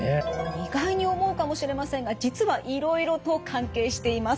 意外に思うかもしれませんが実はいろいろと関係しています。